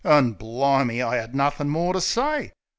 An', bli'me, I 'ad nothin' more ter say!